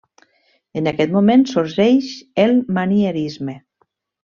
En aquest moment sorgeix el manierisme.